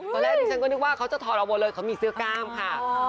ตอนแรกที่ฉันก็นึกว่าเขาจะถอดออกหมดเลยเขามีเสื้อกล้ามค่ะ